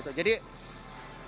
itu yang paling penting